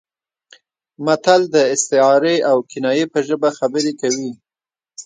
متل د استعارې او کنایې په ژبه خبرې کوي